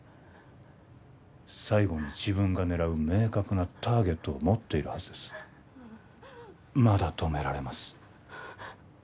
最後に自分が狙う明確なターゲットを持っているはずですまだ止められます